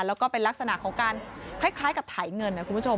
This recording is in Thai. แล้วก็เป็นลักษณะของการคล้ายกับถ่ายเงินนะคุณผู้ชม